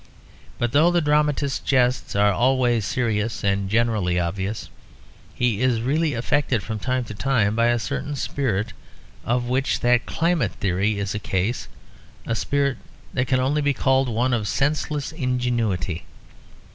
But though the dramatist's jests are always serious and generally obvious, he is really affected from time to time by a certain spirit of which that climate theory is a case a spirit that can only be called one of senseless ingenuity.